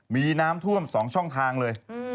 มีน้ำท่วม๒ช่องทางเลย